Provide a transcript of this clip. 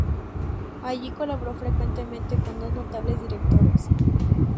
Allí colaboró frecuentemente con dos notables directores.